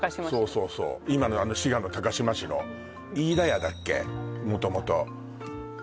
そうそう今の滋賀の高島市の飯田屋だっけ？